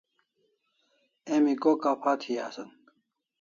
Emi ko kapha thi asan?